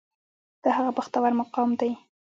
دا هغه بختور مقام دی.